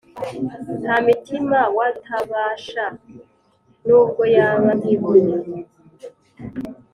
nta mitima w' atabasha, nubwo yaba nk'ibuye;